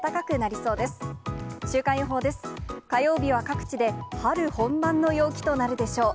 火曜日は各地で春本番の陽気となるでしょう。